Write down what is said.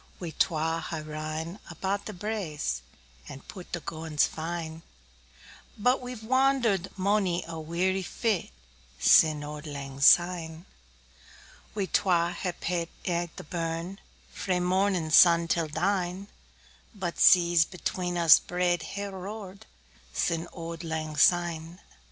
We twa hae rin about the braes, 5 And pu'd the gowans fine; But we've wander'd monie a weary fit Sin' auld lang syne. We twa hae paidl't i' the burn, Frae mornin' sun till dine; 10 But seas between us braid hae roar'd Sin' auld lang syne.